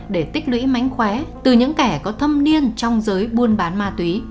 để tích lũy mánh khóe từ những kẻ có thâm niên trong giới buôn bán ma túy